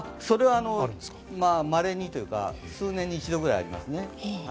それはまれにというか、数年に１度ぐらいありますね。